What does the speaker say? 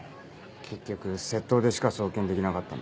結局窃盗でしか送検できなかったんだから。